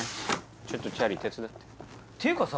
ちょっとチャーリー手伝ってていうかさ